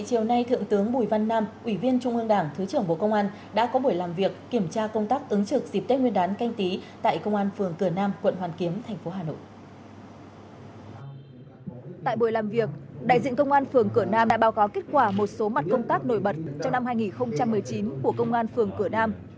tại buổi làm việc đại diện công an phường cửa nam đã báo cáo kết quả một số mặt công tác nổi bật trong năm hai nghìn một mươi chín của công an phường cửa nam